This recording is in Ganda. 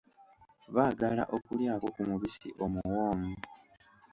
Baagala okulyako ku mubisi omuwoomu.